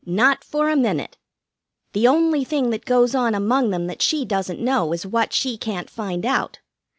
Not for a minute. The only thing that goes on among them that she doesn't know is what she can't find out.